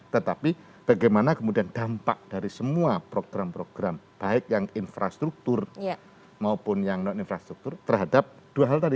tetapi bagaimana kemudian dampak dari semua program program baik yang infrastruktur maupun yang non infrastruktur terhadap dua hal tadi